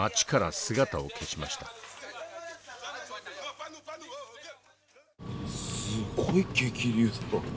すごい激流だな。